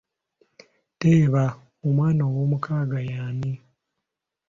Teeba omwana owoomukaaga ye ani?